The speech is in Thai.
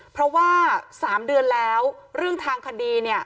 เพราะว่า๓เดือนแล้วเรื่องทางคดีเนี่ย